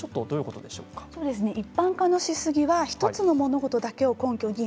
一般化のしすぎは１つの物事だけを根拠に